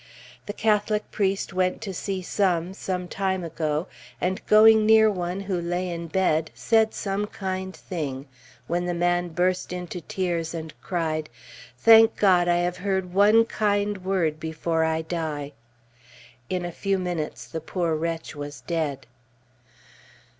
The Catholic priest went to see some, sometime ago, and going near one who lay in bed, said some kind thing, when the man burst into tears and cried, "Thank God, I have heard one kind word before I die!" In a few minutes the poor wretch was dead.